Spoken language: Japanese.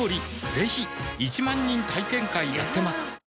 ぜひ１万人体験会やってますはぁ。